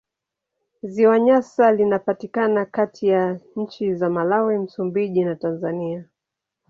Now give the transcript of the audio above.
Ziwa Nyasa linapatikana kati ya nchi za Malawi, Msumbiji na Tanzania.